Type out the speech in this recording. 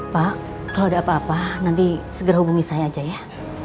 pak kalau ada apa apa nanti segera hubungi saya aja ya